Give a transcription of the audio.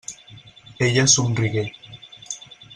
Ella somrigué.